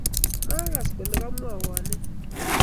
Magaas kole kemwowonee